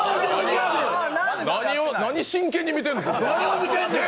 何を真剣に見てんですか。